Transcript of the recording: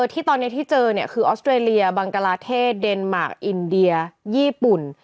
ที่ตอนนี้ที่เจอคือออสเตรเลียบังกลาเทศเดนมาร์คอินเดียญี่ปุ่น